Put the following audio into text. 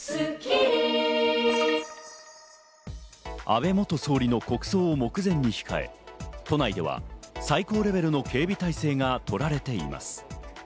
安倍元総理の国葬を目前に控え、都内では最高レベルの警備態勢がとられています。